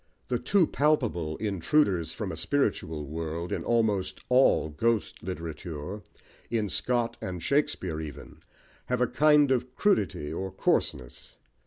The too palpable intruders from a spiritual world in almost all ghost literature, in Scott and Shakespeare even, have a kind of crudity or coarseness.